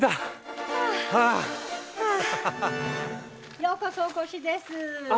ようこそお越しです。